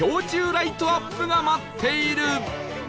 ライトアップが待っている